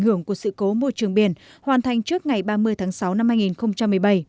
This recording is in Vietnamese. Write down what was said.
hưởng của sự cố môi trường biển hoàn thành trước ngày ba mươi tháng sáu năm hai nghìn một mươi bảy